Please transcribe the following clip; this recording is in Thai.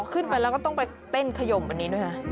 ขึ้นไปแล้วก็ต้องไปเต้นขยมอันนี้ด้วยนะ